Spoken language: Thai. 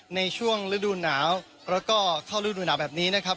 ในช่วงฤดูหนาวแล้วก็เข้ารูดูหนาวแบบนี้นะครับ